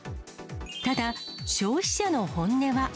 ただ、消費者の本音は。